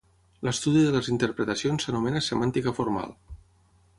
L'estudi de les interpretacions s'anomena "semàntica formal".